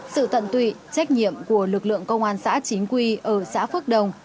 sự tận tụy trách nhiệm của lực lượng công an xã chính quy ở xã phước đồng